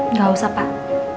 nggak usah pak